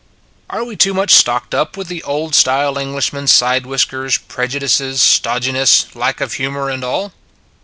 Are we too much stocked up with the old style Englishman side whiskers prejudices stodginess lack of humor and all?